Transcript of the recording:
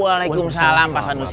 waalaikumsalam pak sanusi